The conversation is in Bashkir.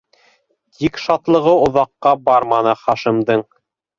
Тик шатлығы оҙаҡҡа барманы Хашимдың.